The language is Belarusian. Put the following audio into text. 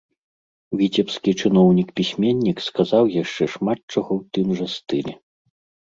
Віцебскі чыноўнік-пісьменнік сказаў яшчэ шмат чаго ў тым жа стылі.